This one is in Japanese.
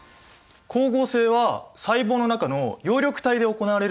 光合成は細胞の中の葉緑体で行われるんですよね？